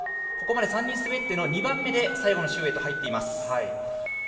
ここまで３人滑っての２番目で最後の周へと入っています。